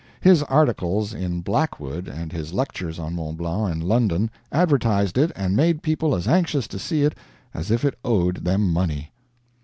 His articles in BLACKWOOD and his lectures on Mont Blanc in London advertised it and made people as anxious to see it as if it owed them money.